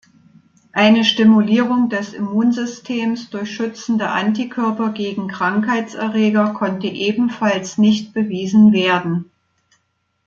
Eine Stimulierung des Immunsystems durch schützende Antikörper gegen Krankheitserreger konnte ebenfalls nicht bewiesen werden.